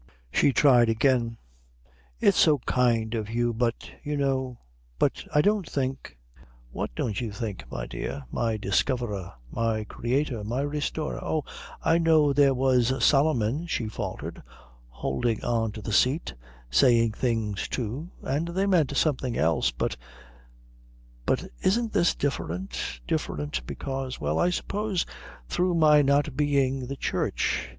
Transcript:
She tried again. "It's so kind of you, but you know but I don't think " "What don't you think, my dear, my discoverer, my creator, my restorer " "Oh, I know there was Solomon," she faltered, holding on to the seat, "saying things, too, and they meant something else, but but isn't this different? Different because well, I suppose through my not being the Church?